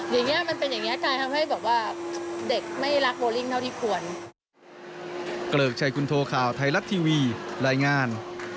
อย่างนี้มันเป็นอย่างนี้กลายทำให้แบบว่าเด็กไม่รักโบลิ่งเท่าที่ควร